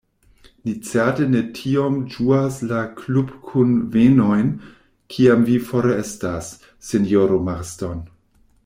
Ni certe ne tiom ĝuas la klubkunvenojn, kiam vi forestas, sinjoro Marston.